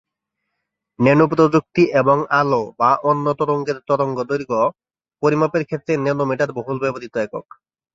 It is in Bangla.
ন্যানো প্রযুক্তি এবং আলো বা অন্য তরঙ্গের তরঙ্গদৈর্ঘ্য পরিমাপের ক্ষেত্রে ন্যানোমিটার বহুল ব্যবহৃত একক।